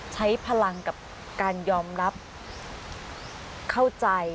ใช้พลังกับการยอมรับเข้าใจ